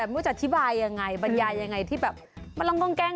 รู้จะอธิบายยังไงบรรยายยังไงที่แบบมาลองกองแกง